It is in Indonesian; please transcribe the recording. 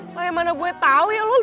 lah yang mana gue tau ya lo liat lah